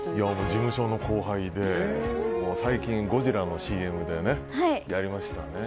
事務所の後輩で最近、ゴジラのＣＭをやりましたね。